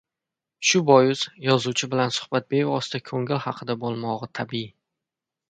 shu bois, yozuvchi bilan suhbat bevosita ko‘ngil haqida bo‘lmog‘i tabiiy.